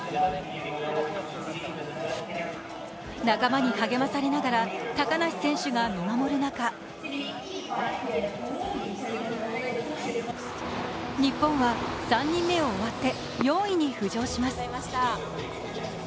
仲間に励まされながら高梨選手が見守る中日本は３人目を終わって４位に浮上します。